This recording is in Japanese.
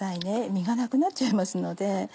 身がなくなっちゃいますので。